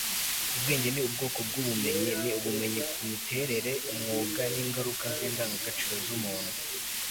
ubwenge ni ubwoko bwubumenyi. ni ubumenyi ku miterere, umwuga, n'ingaruka z'indangagaciro z'umuntu